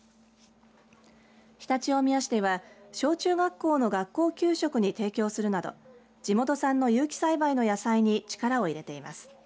常陸大宮市では小中学校の学校給食に提供するなど地元産の有機栽培の野菜に力を入れています。